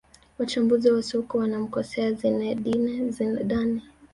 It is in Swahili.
Wachambuzi wa soka wanamkosea Zinedine Zidane